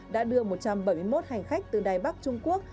đã đưa một trăm bảy mươi một hành khách từ đài bắc trung quốc